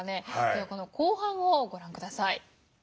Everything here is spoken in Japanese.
では後半をご覧下さい。